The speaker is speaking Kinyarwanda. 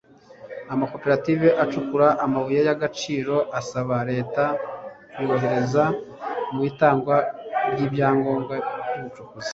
Amakoperative acukura amabuye y’agaciro asaba Leta kuyorohereza mu itangwa ry’ibyangombwa by’ubucukuzi